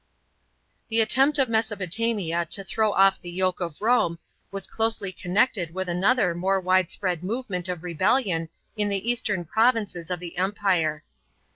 The attempt of Mesopotamia to throw off the yoke of Rome was closely connected with another more widespread movement of rebellion in the eastern provinces of the Empire.